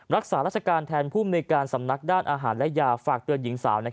รักษาราชการแทนผู้มนุยการสำนักด้านอาหารและยาฝากเตือนหญิงสาว